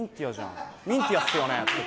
ミンティアっすよねって。